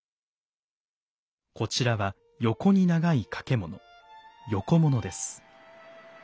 こちらは横に長い掛物横物です。